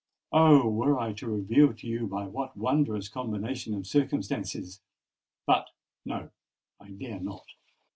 "Oh! were I to reveal to you by what wondrous combination of circumstances——But, no! I dare not.